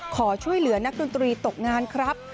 ขอช่วยเหลือนักดนตรีตกงานครับ